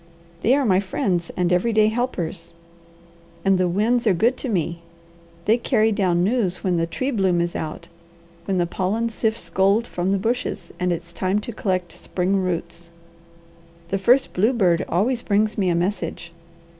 They are my friends and everyday helpers. And the winds are good to me. They carry down news when tree bloom is out, when the pollen sifts gold from the bushes, and it's time to collect spring roots. The first bluebird always brings me a message.